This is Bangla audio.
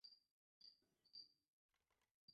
আমাদের প্রত্যেককে নিজে নিজে দেখতে হবে।